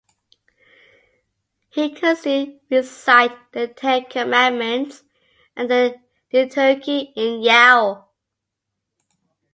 He could soon recite the Ten Commandments and the Liturgy in Yao.